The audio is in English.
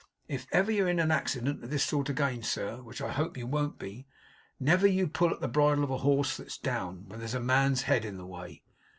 'If ever you're in an accident of this sort again, sir; which I hope you won't be; never you pull at the bridle of a horse that's down, when there's a man's head in the way.